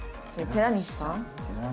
寺西さん。